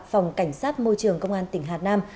phòng cảnh sát môi trường công an tỉnh hà nam